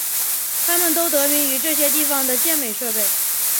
它们都得名于在这些地方的健美设备。